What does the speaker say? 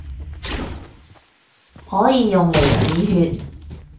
可以用嚟止血